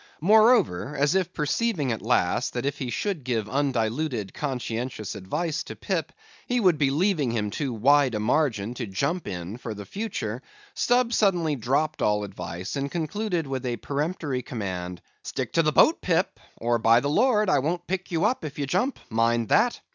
Moreover, as if perceiving at last that if he should give undiluted conscientious advice to Pip, he would be leaving him too wide a margin to jump in for the future; Stubb suddenly dropped all advice, and concluded with a peremptory command, "Stick to the boat, Pip, or by the Lord, I won't pick you up if you jump; mind that.